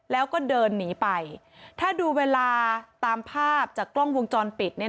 แล้วก็เดินหนีไปถ้าดูเวลาตามภาพจากกล้องวงจรปิด